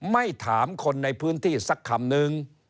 ไม่ถามคนในพื้นที่สักคำนึง